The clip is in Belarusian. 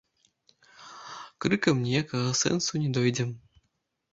Крыкам ніякага сэнсу не дойдзем.